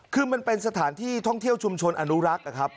คือมันเป็นสถานที่ท่องเที่ยวชุมชนอนุรักษ์นะครับ